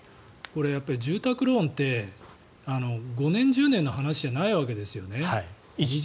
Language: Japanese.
これ、住宅ローンって５年、１０年の話じゃないわけですよね。